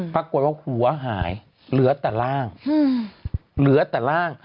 ปรากฏว่าหัวหายเหลือแต่ร่างเหลือแต่ร่าง